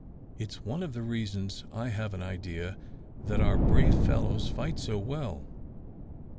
It's one of the reasons, I have an idea, that our brave fellows fight so well.